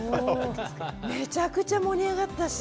めちゃくちゃ盛り上がったし。